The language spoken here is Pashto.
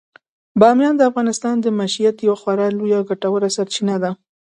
بامیان د افغانانو د معیشت یوه خورا لویه او ګټوره سرچینه ده.